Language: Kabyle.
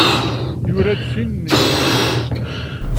Yura-d sin n yidlisen.